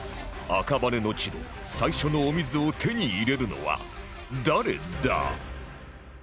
赤羽の地で最初のお水を手に入れるのは誰だ？